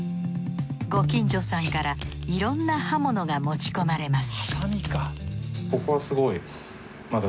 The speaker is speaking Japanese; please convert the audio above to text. ご近所さんからいろんな刃物が持ち込まれます